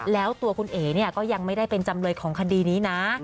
แล้วตัวคุณเอ๋เนี่ยก็ยังไม่ได้เป็นจำเลยของคดีนี้นะ